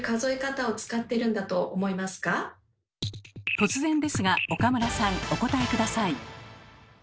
突然ですが岡村さんお答え下さい。